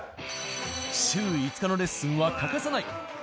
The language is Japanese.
週５日のレッスンは欠かさない。